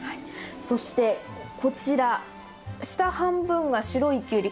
そしてこちら下半分が白いキュウリ。